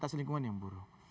sanitas lingkungan yang buruk